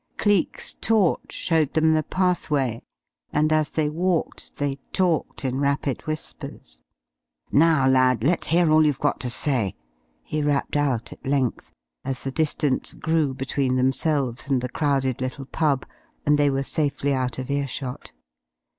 Cleek's torch showed them the pathway, and as they walked they talked in rapid whispers. "Now, lad, let's hear all you've got to say!" he rapped out at length, as the distance grew between themselves and the crowded little pub, and they were safely out of earshot.